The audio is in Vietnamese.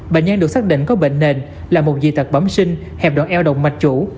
bệnh nhân được xác định có bệnh nền là một dị tật bẩm sinh hẹp đoạn eo động mạch chủ